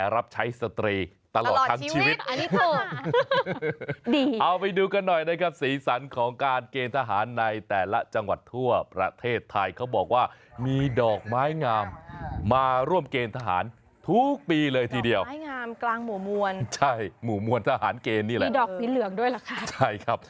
มีดอกสีเหลืองด้วยล่ะครับ